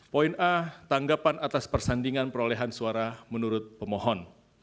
poin a tanggapan atas persandingan perolehan suara menurut pemohon